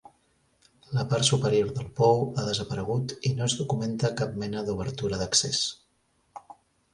La part superior del pou ha desaparegut i no es documenta cap mena d'obertura d'accés.